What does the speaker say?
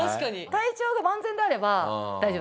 体調が万全であれば大丈夫です。